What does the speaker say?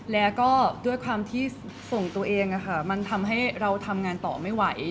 แล้วก็ด้วยความที่ส่งตัวเองมันทำให้เราทำงานต่อไม่ไหว